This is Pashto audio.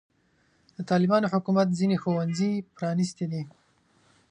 د طالبانو حکومت ځینې ښوونځي پرانستې دي.